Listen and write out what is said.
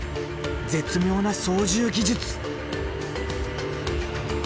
絶妙な操縦技術！